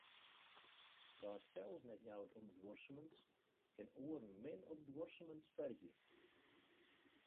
Wa't sels net jout om duorsumens, kin oaren min op duorsumens fergje.